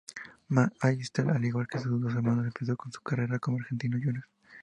Mac Allister, al igual que sus dos hermanos, comenzó su carrera con Argentinos Juniors.